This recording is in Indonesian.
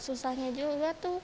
susahnya juga tuh